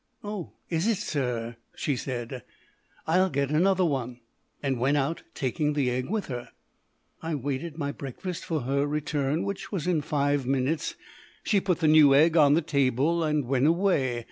"Oh, is it, sir? " she said; "I'll get another one," and went out, taking the egg with her. I waited my breakfast for her return, which was in five minutes. She put the new egg on the table and went away.